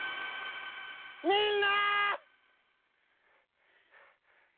みんなっ！